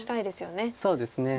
そうですね。